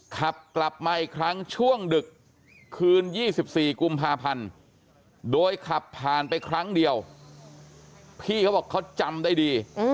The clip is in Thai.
ขับกลับมาอีกครั้งช่วงดึกคืน๒๔กุมภาพันธ์โดยขับผ่านไปครั้งเดียวพี่เขาบอกเขาจำได้ดี